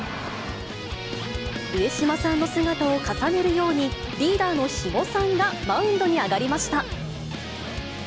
上島さんの姿を重ねるように、リーダーの肥後さんがマウンドに上がりました。